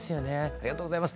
ありがとうございます。